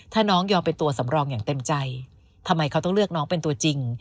ถ้าน้องยอมเป็นตัวสำรองอย่างเต็มใจทำไมเขาต้องเลือกน้องเป็นตัวจริง